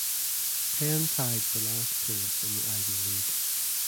Penn tied for last place in the Ivy League.